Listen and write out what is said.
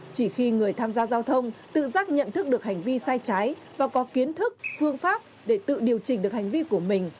chỉ khi người tham gia giao thông tự giác nhận thức được hành vi sai trái và có kiến thức phương pháp để tự điều chỉnh được hành vi của mình